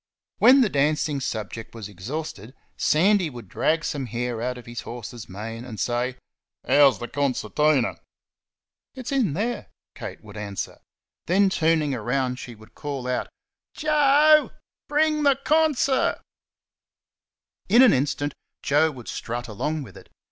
When the dancing subject was exhausted Sandy would drag some hair out of his horse's mane and say, "How's the concertina?" "It's in there," Kate would answer. Then turning round she would call out, "J OE, bring the concer'." In an instant Joe would strut along with it.